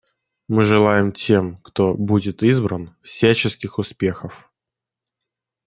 Мы желаем тем, кто будет избран, всяческих успехов.